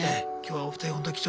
今日はお二人本当